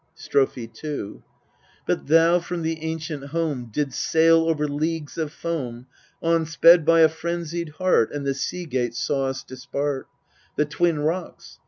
Strophe 2 But thou from the ancient home didst sail over leagues of foam, On sped by a frenzied heart, and the sea gates sawest dispart, The Twin Rocks.